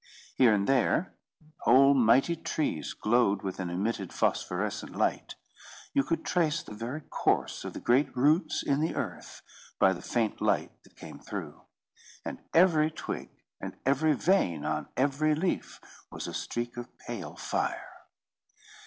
Here and there, whole mighty trees glowed with an emitted phosphorescent light. You could trace the very course of the great roots in the earth by the faint light that came through; and every twig, and every vein on every leaf was a streak of pale fire.